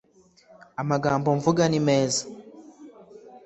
amagambo mvuga nimeza